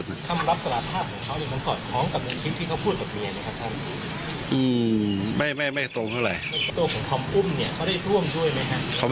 แต่ว่ามูลเหตุในการก่อเหตุนะครับตำรวจบอกว่า